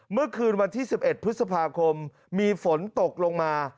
เมื่อคืนวันที่๑๑พฤษภาคมมีฝนตกลงมา